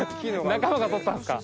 仲間が獲ったんですか？